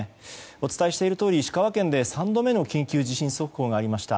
お伝えしているとおり石川県で３度目の緊急地震速報がありました。